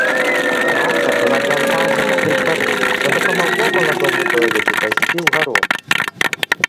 Праца была заўважана пры двары, што дапамагло маладому дойліду пайсці ўгару.